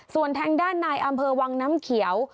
ส่วนทางด้านนายอำเภอวังน้ำเขียว